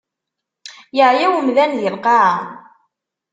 Yeɛya umdan di lqaɛa.